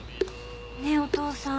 ねえお父さん。